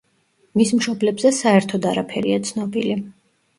მის მშობლებზე საერთოდ არაფერია ცნობილი.